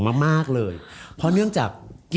เพราะเรื่องของ